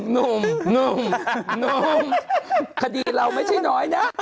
หนุ่มหนุ่มคดีเราไม่ใช่น้อยนะ